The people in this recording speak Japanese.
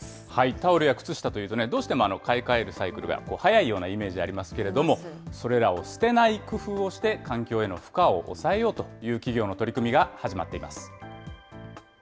タオルや靴下というと、どうしても買い替えるサイクルが早いようなイメージありますけれども、それらを捨てない工夫をして、環境への負荷を抑えようという企業の取り組みが始まっています。